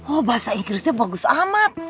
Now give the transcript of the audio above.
oh bahasa inggrisnya bagus amat